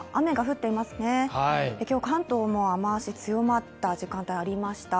今日、関東も雨足が強まった時間帯がありました。